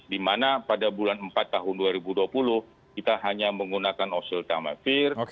dimana pada bulan empat tahun dua ribu dua puluh kita hanya menggunakan oseltamevir